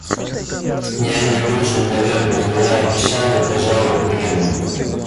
Я не нужен, наверное, но я обещал и, пожалуй, приеду.